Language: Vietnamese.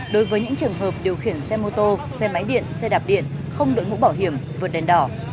đối với những trường hợp điều khiển xe mô tô xe máy điện xe đạp điện không đội mũ bảo hiểm vượt đèn đỏ